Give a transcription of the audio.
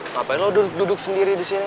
ngapain lo duduk sendiri disini